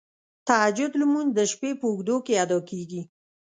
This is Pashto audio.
تهجد لمونځ د شپې په اوږدو کې ادا کیږی.